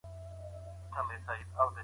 انسان د خدای تر ټولو غوره او ښکلی مخلوق دی.